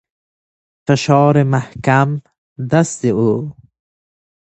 فشار محکم دست او